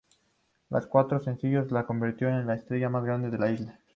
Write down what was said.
Su cuarto sencillo le convirtió en la estrella más grande de la isla.